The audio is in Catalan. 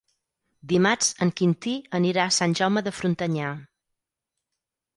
Dimarts en Quintí anirà a Sant Jaume de Frontanyà.